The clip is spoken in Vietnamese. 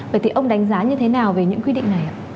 vậy thì ông đánh giá như thế nào về những quy định này ạ